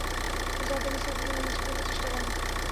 যা তিনি স্মৃতি থেকে মুছে ফেলতে চেষ্টা করেন।